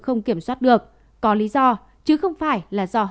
không kiểm soát được có lý do chứ không phải là do hậu covid một mươi chín